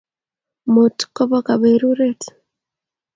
mut ko po kaperuret